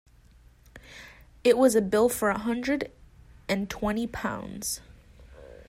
It was a bill for a hundred and twenty pounds.